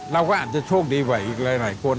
เราก็อาจจะโชคดีกว่าอีกหลายคน